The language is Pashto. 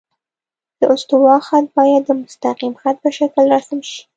د استوا خط باید د مستقیم خط په شکل رسم شي